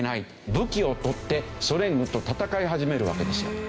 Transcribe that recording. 武器を取ってソ連軍と戦い始めるわけですよ。